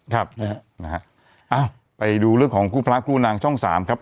ครับนะฮะอ้าวไปดูเรื่องของคู่พระคู่นางช่องสามครับ